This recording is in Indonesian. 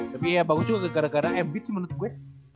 tapi ya bagus juga gara gara abeds menurut gue